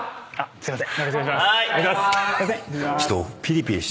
すいません。